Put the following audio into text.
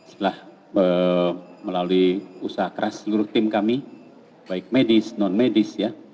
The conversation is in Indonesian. setelah melalui usaha keras seluruh tim kami baik medis non medis ya